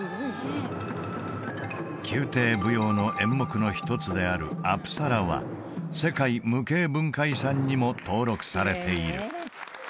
宮廷舞踊の演目の一つであるアプサラは世界無形文化遺産にも登録されている